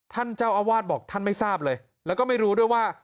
ท่านเจ้าอาวาสบอกท่านไม่ทราบเลยแล้วก็ไม่รู้ด้วยว่า